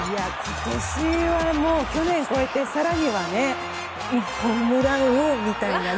今年は、去年を超えて更にはホームラン王みたいな。